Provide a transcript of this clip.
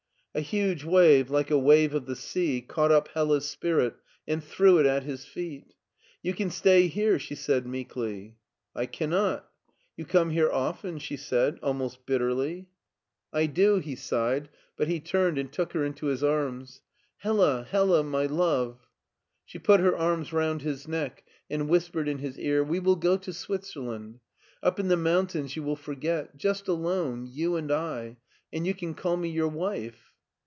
A huge wave, like a wave of the sea, caught up Hella's spirit and threw it at his feet. " You can stay here," she said meekly. " I cannot." " You come here often," she said, almost bitterly. 140 MARTIN SCHtJLER " I do/' he sighed, but he turned and took her into his arms. " Hella, Hella, my love !" She put her arms round his neck and whispered in his ear, "We will go to Switzerland. Up in the mountaiQs you will forget; just alone, you and I^ and you can call me your wife.